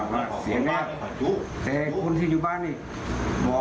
มันก็ไม่ได้บอกบาดเจ็บ